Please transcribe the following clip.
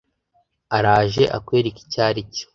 Araje akwereke icyo aricyo